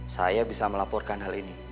saya bisa melaporkan hal ini